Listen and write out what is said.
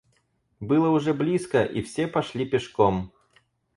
Было уже близко, и все пошли пешком.